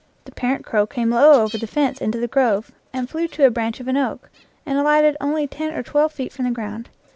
The parent crow came low over the fence into the grove, and flew to a branch of an oak, and alighted only ten or twelve feet from the ground.